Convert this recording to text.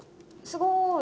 すごーい！